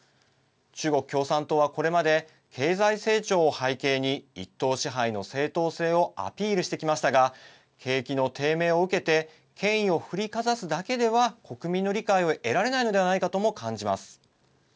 中国共産党はこれまで経済成長を背景に一党支配の正当性をアピールしてきましたが景気の低迷を受けて権威をふりかざすだけでは国民の理解を得られないのではないかとも感じます。